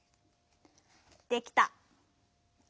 できた。